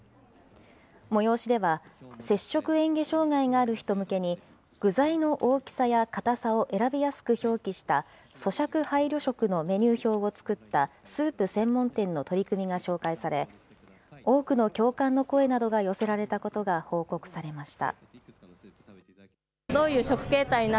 催しでは、摂食えん下障害がある人向けに具材の大きさや固さを選びやすく表記したそしゃく配慮食のメニュー表を作ったスープ専門店の取り組みが紹介され、多くの共感の声などが寄せられたことが報告されました。